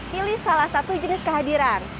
pilih salah satu jenis kehadiran